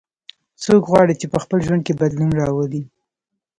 څوک غواړي چې په خپل ژوند کې بدلون راولي